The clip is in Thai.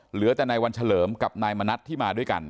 เหลือแต่นายวันเฉลิมกับนายมณัฐที่มาด้วยกัน